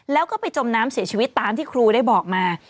แล้วก็ไปจมน้ำเสียชีวิตตามที่ครูได้บอกมา